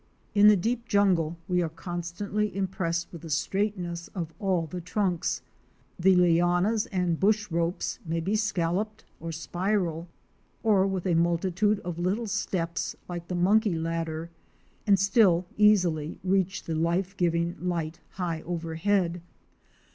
In the deep jungle we are constantly impressed with the straightness of all the trunks. The lianas and bush ropes may be scalloped or spiral, or with a multitude of little steps like the Monkey Ladder, and still easily reach the life giving light high overhead.